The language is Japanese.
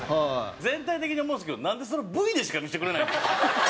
全体的に思うんですけどなんでそんな部位でしか見せてくれないんですか？